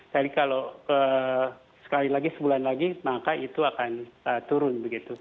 jadi kalau sekali lagi sebulan lagi maka itu akan turun